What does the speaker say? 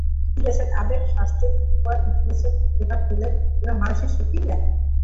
ইতিবাচক আবেগ স্বাস্থ্যের ওপর ইতিবাচক প্রভাব ফেলে এবং মানুষকে সুখী রাখে।